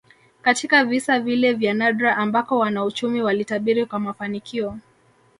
Katika visa vile vya nadra ambako wanauchumi walitabiri kwa mafanikio